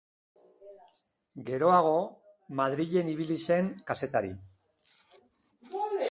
Geroago, Madrilen ibili zen kazetari.